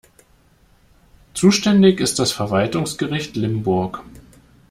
Zuständig ist das Verwaltungsgericht Limburg.